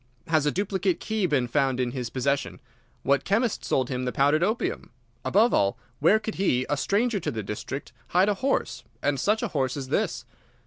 Has a duplicate key been found in his possession? What chemist sold him the powdered opium? Above all, where could he, a stranger to the district, hide a horse, and such a horse as this?